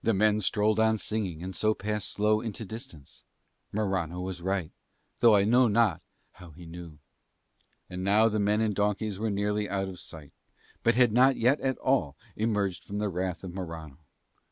The men strolled on singing and so passed slow into distance. Morano was right, though I know not how he knew. And now the men and the donkeys were nearly out of sight, but had not yet at all emerged from the wrath of Morano.